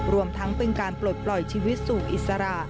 รวมทั้งเป็นการปลดปล่อยชีวิตสู่อิสระ